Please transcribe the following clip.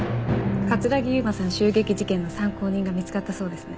城悠真さん襲撃事件の参考人が見つかったそうですね。